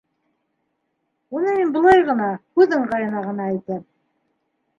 Уны мин былай ғына, һүҙ ыңғайына ғына әйтәм.